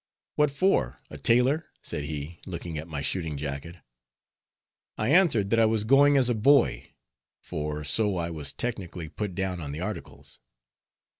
"What for? a tailor?" said he, looking at my shooting jacket. I answered that I was going as a "boy;" for so I was technically put down on the articles.